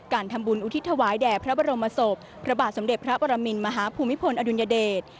การทำบุญอุทิศถวายแด่พระบรมศพพระบาทสมเด็จพระปรมินมหาภูมิพลอดุลยเดช